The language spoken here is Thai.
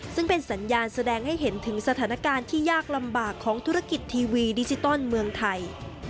ซึ่งเป็นสัญญาณแสดงให้เห็นถึงสถานการณ์ที่ยากลำบากของธุรกิจทีวีดิจิตอลเมืองไทย